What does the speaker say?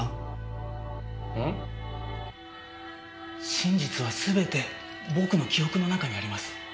真実は全て僕の記憶の中にあります。